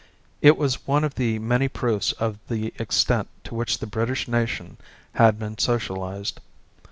It was one of the many proofs of the extent to which the British nation had been socialized.